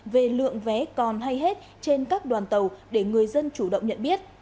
về lượng vé còn hay hết trên các đoàn tàu để người dân chủ động nhận biết